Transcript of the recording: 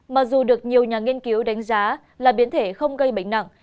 mặc dù được nhiều nhà nghiên cứu đánh giá là biến thể không gây bệnh nặng